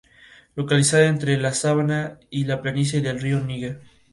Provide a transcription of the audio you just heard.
Pocas de las mismas han permanecido hasta hoy.